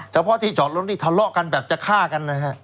เฉพาะที่จอดรถนี่ทะเลาะกันแบบจะฆ่ากันนะฮะ